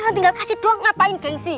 saya tinggal kasih doang ngapain gengsi